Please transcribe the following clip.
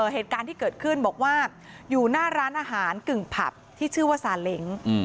เหตุการณ์ที่เกิดขึ้นบอกว่าอยู่หน้าร้านอาหารกึ่งผับที่ชื่อว่าซาเล้ง